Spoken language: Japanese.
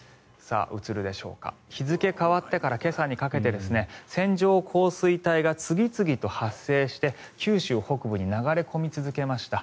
日付が変わってから今朝にかけて線状降水帯が次々と発生して九州北部に流れ込み続けました。